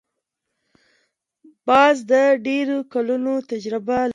باز د ډېرو کلونو تجربه لري